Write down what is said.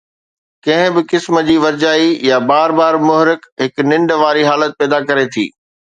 ڪنهن به قسم جي ورجائي يا بار بار محرک هڪ ننڊ واري حالت پيدا ڪري ٿي